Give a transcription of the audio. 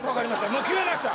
もう決めました